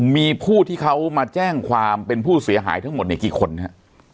มีผู้ที่เขามาแจ้งความเป็นผู้เสียหายทั้งหมดเนี่ยกี่คนฮะ